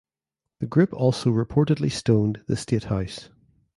The group also reportedly stoned the State House.